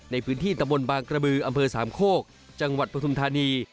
ในพื้นที่ตะบนบางกระบืออำเภอสามโคกจังหวัดปฐุมธานี